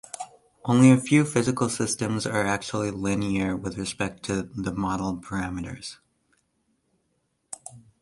Only a few physical systems are actually linear with respect to the model parameters.